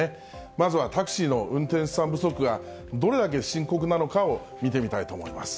まずはタクシーの運転手さん不足がどれだけ深刻なのかを見てみたいと思います。